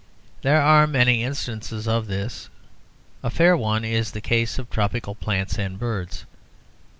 There are many instances of this: a fair one is the case of tropical plants and birds.